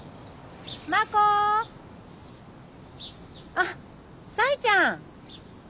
あっさいちゃん。